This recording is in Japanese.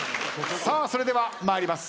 さあそれでは参ります。